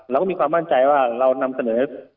เราก็มีความมั่นใจว่าเรานำเสนอ